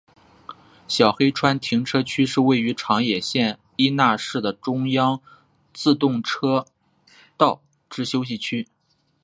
小黑川停车区是位于长野县伊那市的中央自动车道之休息区。